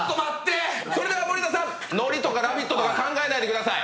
それでは森田さんノリとか「ラヴィット！」とか考えないでください。